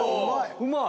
うまい。